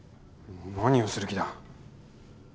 何をする気だ？